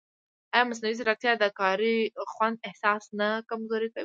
ایا مصنوعي ځیرکتیا د کاري خوند احساس نه کمزورې کوي؟